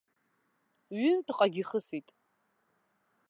Ҩынтәҟагьы ихысит.